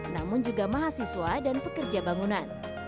namun juga mahasiswa dan pekerja bangunan